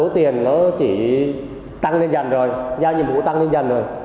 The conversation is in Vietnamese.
thì tăng lên dần rồi giá nhiệm vụ tăng lên dần rồi